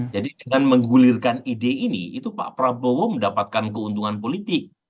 jadi dengan menggulirkan ide ini itu pak prabowo mendapatkan keuntungan politik